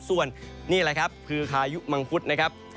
ส่วนนี่แหละครับคือพายุมังคุดนะครับ